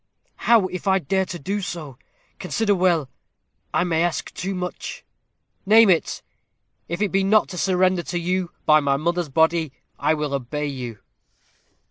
"How if I dare to do so? Consider well: I may ask too much." "Name it. If it be not to surrender you, by my mother's body I will obey you."